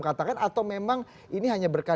katakan atau memang ini hanya berkah